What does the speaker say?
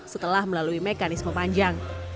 setelah melalui mekanik